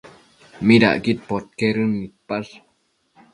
¿Midacquid podquedën nidpash?